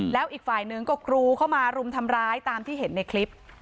แล้วอีกฝ่ายหนึ่งก็กรูเข้ามารุมทำร้ายตามที่เห็นในคลิป